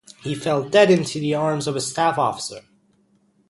He fell dead into the arms of a staff officer.